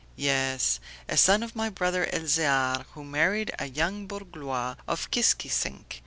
"Yes, a son of my brother Elzear who married a young Bourglouis of Kiskisink.